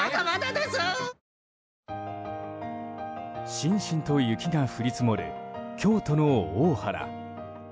しんしんと雪が降り積もる京都の大原。